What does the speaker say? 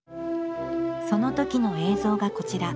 そのときの映像がこちら。